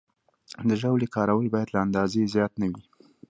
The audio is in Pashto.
د ژاولې کارول باید له اندازې زیات نه وي.